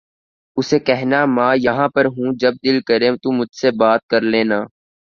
اسے کہنا ماں یہاں پر ہوں جب دل کرے تو مجھ سے بات کر لینا